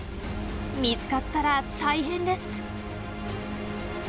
見つかったら大変です。